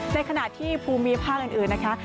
ในขณะที่ภูมิภาคอื่นนะคะ